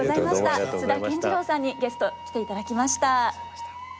津田健次郎さんにゲスト来ていただきました。